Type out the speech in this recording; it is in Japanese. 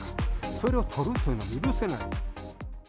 それをとるというのは許せない。